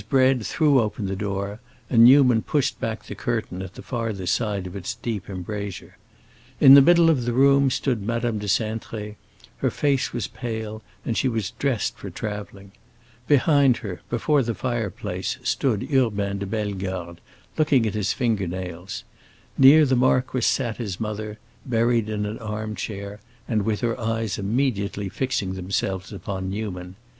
Bread threw open the door, and Newman pushed back the curtain at the farther side of its deep embrasure. In the middle of the room stood Madame de Cintré; her face was pale and she was dressed for traveling. Behind her, before the fire place, stood Urbain de Bellegarde, looking at his finger nails; near the marquis sat his mother, buried in an armchair, and with her eyes immediately fixing themselves upon Newman.